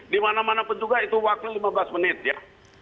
dimana mana pun juga itu waktu lima belas menit ya